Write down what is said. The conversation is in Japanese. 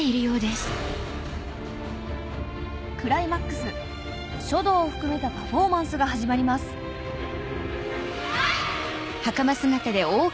クライマックス書道を含めたパフォーマンスが始まりますはい！